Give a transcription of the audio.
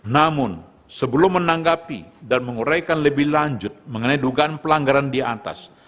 namun sebelum menanggapi dan menguraikan lebih lanjut mengenai dugaan pelanggaran di atas